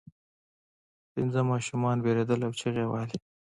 پنځه ماشومان ویرېدل او چیغې یې وهلې.